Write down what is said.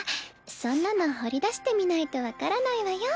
そんなの掘り出してみないと分からないわよ。